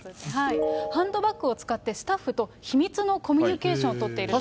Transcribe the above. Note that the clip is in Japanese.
ハンドバッグを使って、スタッフと秘密のコミュニケーションを取っていると。